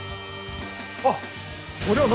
あっ！